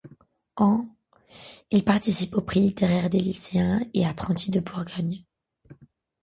En -, il participe au Prix littéraire des lycéens et apprentis de Bourgogne.